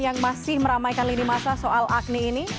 yang masih meramaikan lini masa soal agni ini